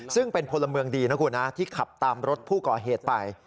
ซึ่งเป็นพลเมืองดีนะคุณนะที่ขับตามรถผู้ก่อเหตุไป